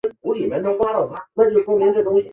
它们主要吃腐化的海草。